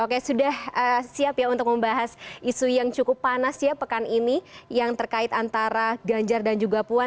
oke sudah siap ya untuk membahas isu yang cukup panas ya pekan ini yang terkait antara ganjar dan juga puan